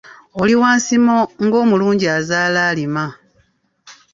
Oli wa nsimo ng’omulungi azaala alima.